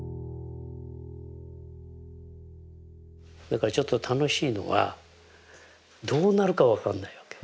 だからちょっと楽しいのはどうなるか分かんないわけ。